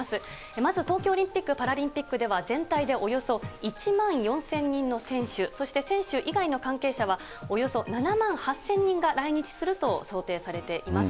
まず東京オリンピック・パラリンピックでは、全体でおよそ１万４０００人の選手、そして選手以外の関係者は、およそ７万８０００人が来日すると想定されています。